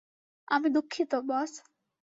আমি দুঃখিত, বস।